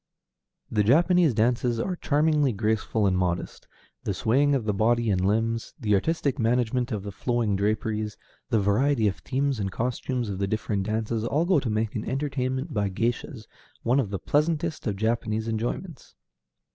The Japanese dances are charmingly graceful and modest; the swaying of the body and limbs, the artistic management of the flowing draperies, the variety of themes and costumes of the different dances, all go to make an entertainment by géishas one of the pleasantest of Japanese enjoyments.